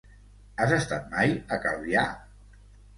Has estat mai a Calvià?